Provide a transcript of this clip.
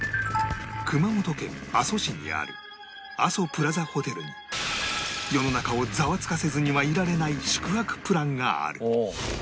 熊本県阿蘇市にある阿蘇プラザホテルに世の中をザワつかせずにはいられない宿泊プランがある